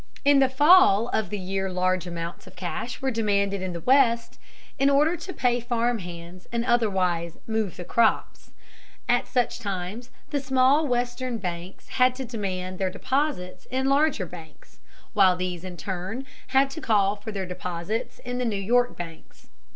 In the fall of the year large amounts of cash were demanded in the West, in order to pay farm hands and otherwise "move the crops." At such times the small western banks had to demand their deposits in larger banks, while these in turn had to call for their deposits in the New York banks.